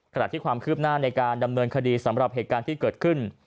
ขณะที่ความคืบหน้าในการดำเนินคดีสำหรับเหตุการณ์ที่เกิดขึ้น